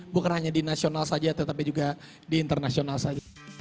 bukan hanya di nasional saja tetapi juga di internasional saja